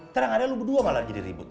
ternyata lo berdua malah jadi ribut